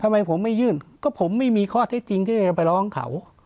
ทำไมผมไม่ยื่นก็ผมไม่มีข้อเท็จจริงที่จะไปร้องเขา